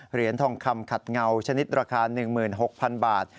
เหรียญทองคำขัดเงาชนิดราคา๑๖๐๐๐บาท